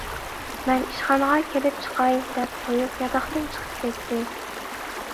مەن ئىشخانىغا كىرىپ چىقاي، -دەپ قۇيۇپ ياتاقتىن چىقىپ كەتتى.